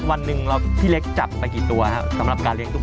วันหนึ่งพี่เล็กจับไปกี่ตัวครับสำหรับการเลี้ยตุ๊ก